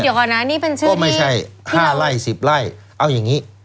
เดี๋ยวก่อนนะนี่เป็นชื่อก็ไม่ใช่ห้าไร่สิบไร่เอาอย่างนี้